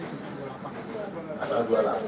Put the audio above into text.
jenderal perbatannya apa yang berbatu